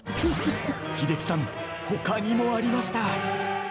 英樹さん、他にもありました。